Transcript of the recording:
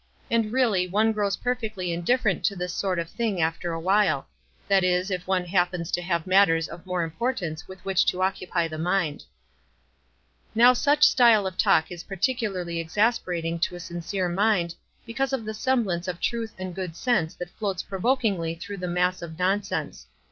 And really one grows perfectly indifferent to this sort of thing after a while — that is, if one happens to have matters of more importance with which to oc cupy the mind." 260 WISE AND OTHERWISE. Now such style of talk is particularly exasper ating to a sincere mind, because of the semblanco of truth and good sense that floats provokingly through the mass of nonsense.